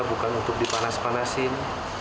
bukan untuk dipanas panasin